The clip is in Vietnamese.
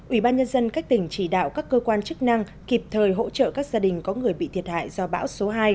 ủy ban nhân dân các tỉnh chỉ đạo các cơ quan chức năng kịp thời hỗ trợ các gia đình có người bị thiệt hại do bão số hai